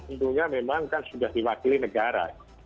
tentunya memang kan sudah diwakili negara